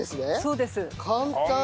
簡単！